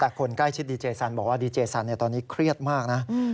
แต่คนใกล้ชิดดีเจสันบอกว่าดีเจสันตอนนี้เครียดมากนะ